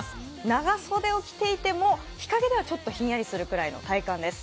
長袖を着ていても、日陰ではちょっとひんやりするぐらいの体感です。